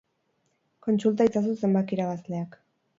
Kontsulta itzazu zenbaki irabazleak.